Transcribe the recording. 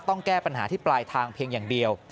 แก้ปัญหาที่ปลายทางเพียงอย่างเดียว